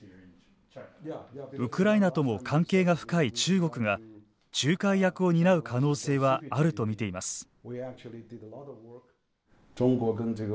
ウクライナとも関係が深い中国が仲介役を担う可能性はあるとみています。